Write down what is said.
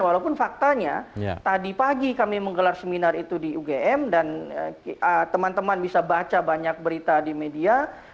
walaupun faktanya tadi pagi kami menggelar seminar itu di ugm dan teman teman bisa baca banyak berita di media